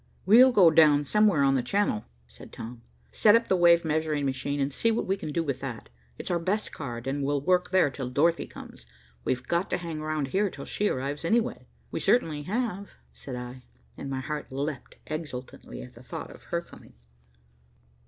"We'll go down somewhere on the Channel," said Tom, "set up the wave measuring machine, and see what we can do with that. It's our best card, and we'll work there till Dorothy comes. We've got to hang round here till she arrives, anyway." "We certainly have," said I, and my heart leaped exultantly at the thought of her coming.